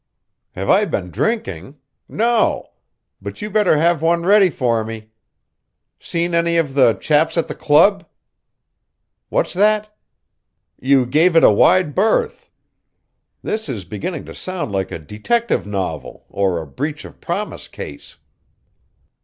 Have I been drinking? No; but you better have one ready for me. Seen any of the chaps at the club? What's that? You gave it a wide berth. This is beginning to sound like a detective novel or a breach of promise case.